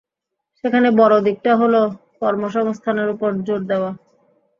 সেখানে বড় দিকটি হলো, কর্মসংস্থানের ওপর জোর দেওয়া।